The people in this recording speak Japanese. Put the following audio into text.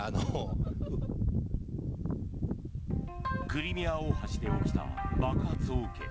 クリミア大橋で起きた爆発を受け